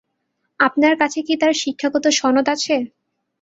আপনার কাছে কী তার শিক্ষাগত সনদ আছে?